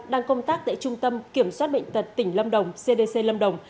đang công tác tại trung tâm kiểm soát bệnh tật tỉnh lâm đồng cdc lâm đồng